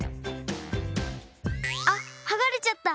あっはがれちゃった。